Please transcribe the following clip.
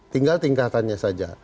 tinggal tingkatannya saja